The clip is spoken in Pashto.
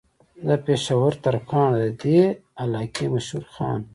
دا پېشه ور ترکاڼ د دې علاقې مشهور خان